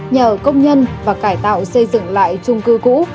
nhà ở công nhân và cải tạo xây dựng lại trung cư cũ